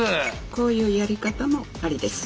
こういうやり方もありです。